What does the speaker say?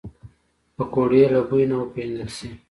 پکورې له بوی نه وپیژندل شي